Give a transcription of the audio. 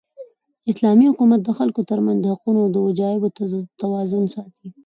اسلامي حکومت د خلکو تر منځ د حقونو او وجایبو توازن ساتي.